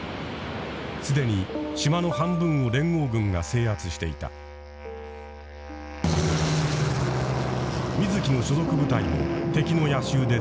既に島の半分を連合軍が制圧していた水木の所属部隊も敵の夜襲で全滅。